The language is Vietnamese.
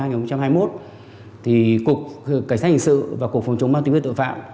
cục cảnh sát hình sự và cục phòng chống băng tình huyết tội phạm